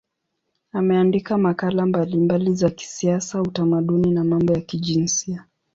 Ameandika makala mbalimbali za kisiasa, utamaduni na mambo ya kijinsia.